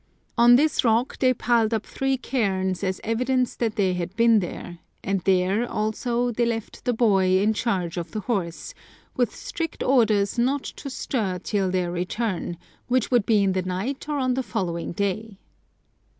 On this rock they piled Up three cairns as evidence that they had been there ; and there, also, they left the boy in charge of the horse, with strict orders not to stir till their return, which would be in the night or on the following day.